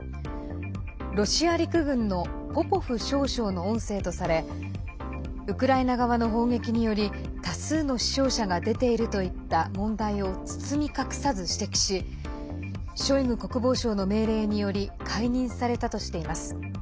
ロシア陸軍のポポフ少将の音声とされウクライナ側の砲撃により多数の死傷者が出ているといった問題を包み隠さず指摘しショイグ国防相の命令により解任されたとしています。